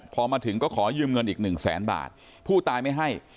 พอมาถึงก็ขอยืมเงินอีกหนึ่งแสนบาทผู้ตายไม่ให้